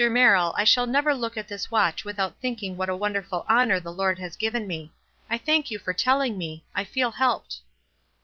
Merrill, I shall never look at this watch without thinking what a wonderful honor the Lord has given me. I thank you for telling me — I feel helped."